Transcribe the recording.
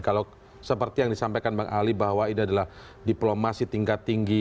kalau seperti yang disampaikan bang ali bahwa ini adalah diplomasi tingkat tinggi